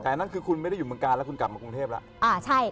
แต่นั่นคือคุณไม่ได้อยู่เมืองกาลแล้วคุณกลับมากรุงเทพแล้ว